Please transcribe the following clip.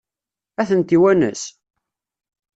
Ad tent-iwanes?